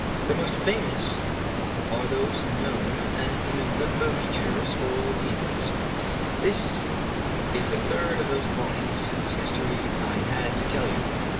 The most famous are those known as the November meteors, or Leonids. This is the third of those bodies whose history I had to tell you.